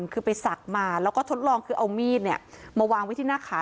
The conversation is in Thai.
คือไปศักดิ์มาแล้วก็ทดลองคือเอามีดมาวางไว้ที่หน้าขา